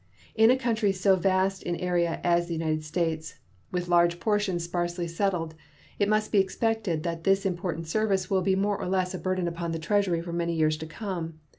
In a country so vast in area as the United States, with large portions sparsely settled, it must be expected that this important service will be more or less a burden upon the Treasury for many years to come.